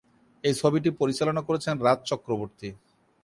এই ছবিটি পরিচালনা করেছেন রাজ চক্রবর্তী।